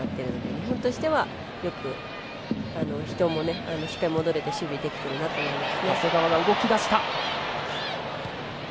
日本としてはよく人も、しっかり戻れて守備できてるなと思います。